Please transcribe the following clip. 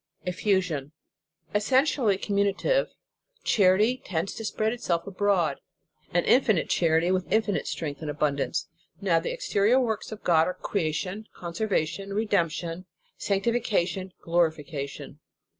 Effusion. Essentially communicative, cha rity tends to spread itself abroad, and infinite charity, with infinite strength and abundance. 292 The Sign of the Cross Now the exterior works of God are creation, conservation, redemption, sanctification, glo rification.